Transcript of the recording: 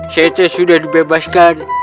saya sudah dibebaskan